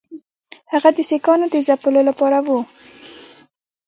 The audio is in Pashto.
هغه د سیکهانو د ځپلو لپاره وو.